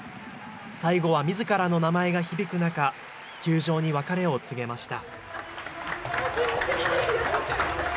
最後はみずからの名前が響く中、球場に別れを告げました。